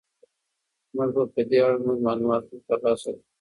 موږ به په دې اړه نور معلومات هم ترلاسه کړو.